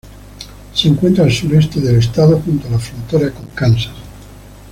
Se encuentra al sureste del estado, junto a la frontera con Kansas.